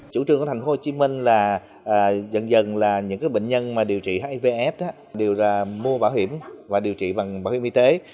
chủ trương của thành phố hồ chí minh là dần dần là những bệnh nhân mà điều trị hivf đều là mua bảo hiểm và điều trị bằng bảo hiểm y tế